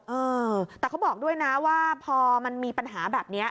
เออแต่เขาบอกด้วยนะว่าพอมันมีปัญหาแบบนี้